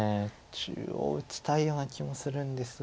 中央打ちたいような気もするんですが。